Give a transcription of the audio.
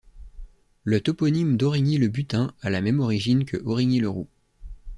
Le toponyme d'Origny-le-Butin a la même origine que Origny-le-Roux.